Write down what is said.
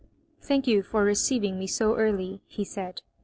" Thank you for receiving me so early,^' he said.